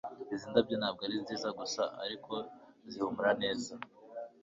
Izi ndabyo ntabwo ari nziza gusa ariko zihumura neza